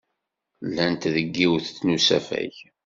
Llant deg yiwen n usafag.